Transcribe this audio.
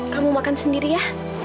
kamu makan sendiri ya